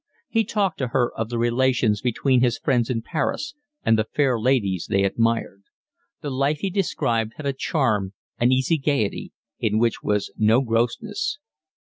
He talked to her of the relations between his friends in Paris and the fair ladies they admired. The life he described had a charm, an easy gaiety, in which was no grossness.